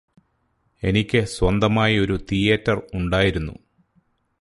എനിക്ക് സ്വന്തമായി ഒരു തീയേറ്റര് ഉണ്ടായിരുന്നു